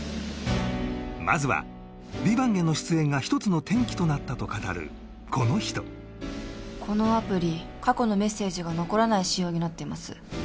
まずは「ＶＩＶＡＮＴ」への出演が一つの転機となったと語るこの人このアプリ過去のメッセージが残らない仕様になっています